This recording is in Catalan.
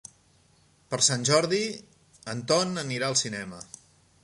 Per Sant Jordi en Ton anirà al cinema.